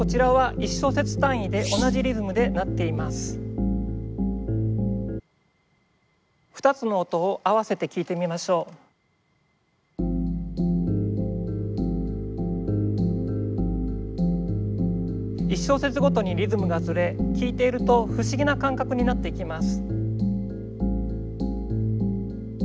１小節ごとにリズムがずれ聴いていると不思議な感覚になっていきます。